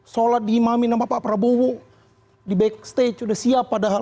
solat diimamin sama pak prabowo di backstage udah siap padahal